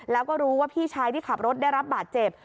แล้วก็รู้ว่าพี่ชายที่ขับรถได้รับบาดเจ็บ